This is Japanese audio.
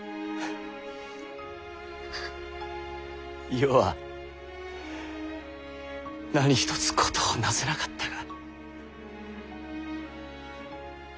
余は何一つ事をなせなかったが。